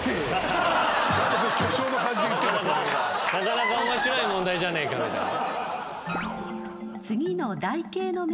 「なかなか面白い問題じゃねえか」みたいな。